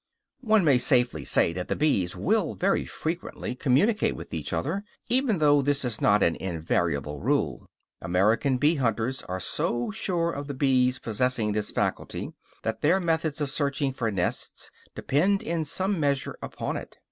One may safely say that the bees will very frequently communicate with each other, even though this is not an invariable rule. American bee hunters are so sure of the bees possessing this faculty that their methods of searching for nests depend in some measure upon it.